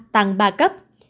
tăng ba cấp